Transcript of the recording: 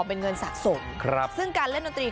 เป็นเงินสะสมซึ่งการเล่นดนตรี